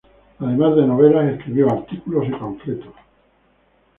Además de novelas, escribió artículos y panfletos.